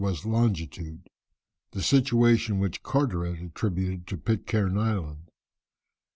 long., the situation which Carteret attributed to Pitcairn Island.